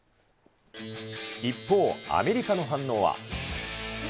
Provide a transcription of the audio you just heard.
一方、アメリカの反応は。